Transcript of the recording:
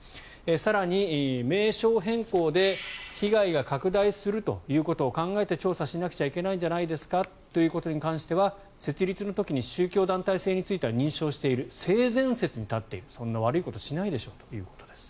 更に名称変更で被害が拡大するということを考えて調査しなくちゃいけないんじゃないですか？ということに関しては設立の時に宗教団体性については認証している性善説に立っているそんな悪いことしないでしょうということです。